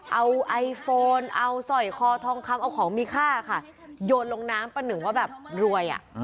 เอาไอโฟนเอาสอยคอทองคำเอาของมีค่าค่ะโยนลงน้ำป้าหนึ่งว่าแบบรวยอ่ะ